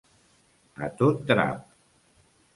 A tot drap.